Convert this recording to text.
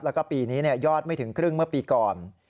แล้วก็ปีนี้ยอดไม่ถึงครึ่งเมื่อปีก่อน